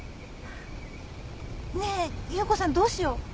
ねえ優子さんどうしよう。